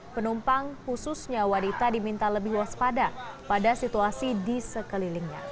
penumpang khususnya wanita diminta lebih waspada pada situasi di sekelilingnya